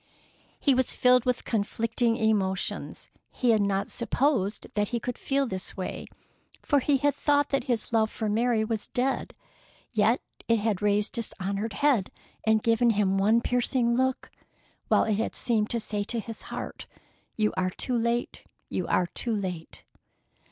He was filled with conflicting emotions. He had not supposed that he could feel this way, for he had thought that his love for Mary was dead; yet it had raised its dishonored head and given him one piercing look, while it had seemed to say to his heart, "You are too late! You are too late!"